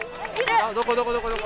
どこどこどこどこ？